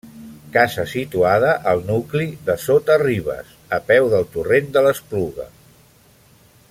Casa situada al nucli de Sota-ribes, a peu del torrent de l'Espluga.